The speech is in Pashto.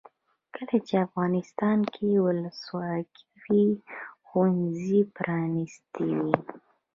کله چې افغانستان کې ولسواکي وي ښوونځي پرانیستي وي.